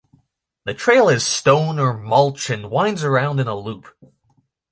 The trail is stone or mulch and winds around in a loop.